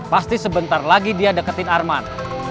pasti sebentar lagi dia deketin arman